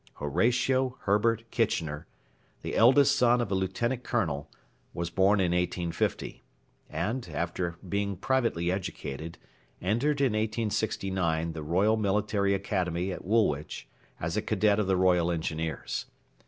Horatio Herbert Kitchener, the eldest son of a lieutenant colonel, was born in 1850, and, after being privately educated, entered in 1869 the Royal Military Academy at Woolwich as a cadet of the Royal Engineers.